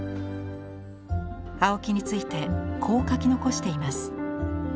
青木についてこう書き残しています。